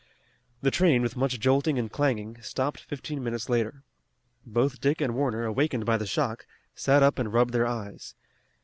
The train, with much jolting and clanging, stopped fifteen minutes later. Both Dick and Warner, awakened by the shock, sat up and rubbed their eyes.